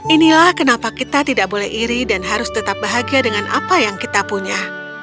inilah kenapa kita tidak boleh iri dan harus tetap bahagia dengan apa yang kita punya